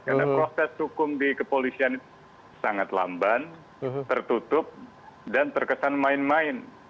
karena proses hukum di kepolisian sangat lamban tertutup dan terkesan main main